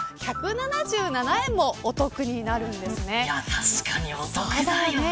確かにお得だよね。